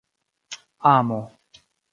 amo